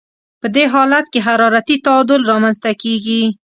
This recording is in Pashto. په دې حالت کې حرارتي تعادل رامنځته کیږي.